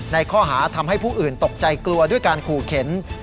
ในข้อหาทำให้ผู้อื่นตกใจกลัวด้วยการขู่เข็น